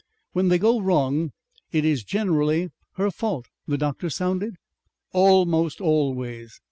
"When they go wrong it is generally her fault," the doctor sounded. "Almost always."